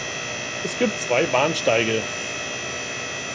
Es gibt zwei Bahnsteige.